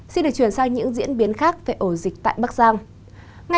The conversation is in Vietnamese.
xin được chuyển sang những diễn biến khác về ổ dịch tại bắc giang